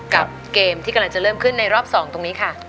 กับเกมที่กำลังจะเริ่มขึ้นในรอบ๒ตรงนี้ค่ะ